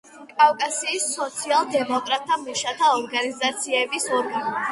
კავკასიის სოციალ-დემოკრატთა მუშათა ორგანიზაციების ორგანო.